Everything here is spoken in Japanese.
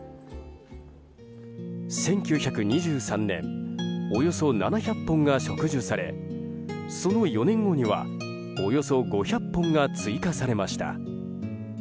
１９２３年およそ７００本が植樹されその４年後にはおよそ５００本が追加されました。